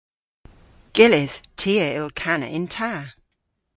Gyllydh. Ty a yll kana yn ta.